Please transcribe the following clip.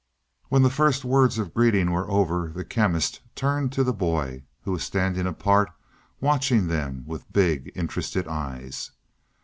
When the first words of greeting were over, the Chemist turned to the boy, who was standing apart, watching them with big, interested eyes.